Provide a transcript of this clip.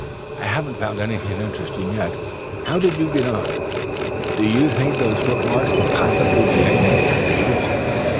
"I haven't found anything interesting yet. How did you get on? Do you think those footmarks can possibly be anyone's but David's?"